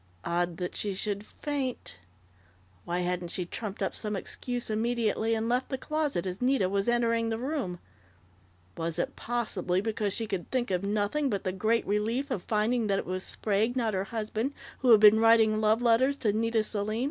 Odd that she should faint! Why hadn't she trumped up some excuse immediately and left the closet as Nita was entering the room? Was it, possibly, because she could think of nothing but the great relief of finding that it was Sprague, not her husband, who had been writing love letters to Nita Selim?...